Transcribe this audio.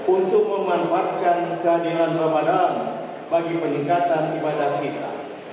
untuk memanfaatkan kehadiran ramadhan bagi peningkatan ibadah kita